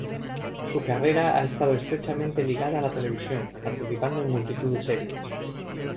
Su carrera ha estado estrechamente ligada a la televisión, participando en multitud de series.